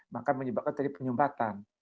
maka menyebabkan penyumbatan